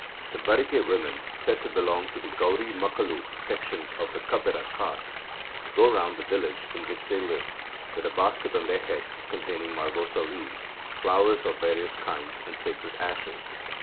The Barike women (said to belong to the Gaurimakkalu section of the Kabbera caste) go round the village in which they live, with a basket on their heads containing margosa leaves, flowers of various kinds, and sacred ashes.